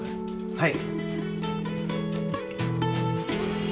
はい。